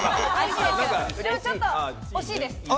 ちょっと惜しいです。